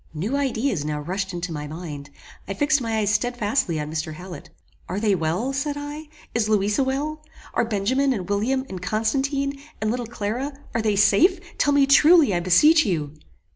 New ideas now rushed into my mind. I fixed my eyes stedfastly on Mr. Hallet. "Are they well?" said I. "Is Louisa well? Are Benjamin, and William, and Constantine, and Little Clara, are they safe? Tell me truly, I beseech you!"